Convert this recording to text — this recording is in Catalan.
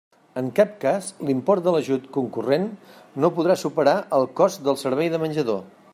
En cap cas l'import de l'ajut concurrent no podrà superar el cost del servei de menjador.